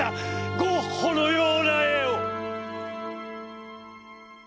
ゴッホのような絵を」。